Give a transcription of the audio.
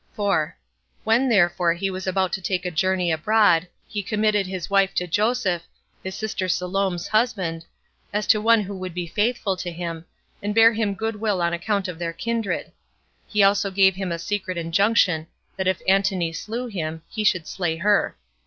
4. When therefore he was about to take a journey abroad, he committed his wife to Joseph, his sister Salome's husband, as to one who would be faithful to him, and bare him good will on account of their kindred; he also gave him a secret injunction, that if Antony slew him, he should slay her.